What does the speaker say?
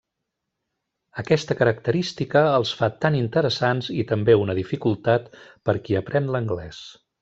Aquesta característica els fa tan interessants i també una dificultat per a qui aprèn l'anglès.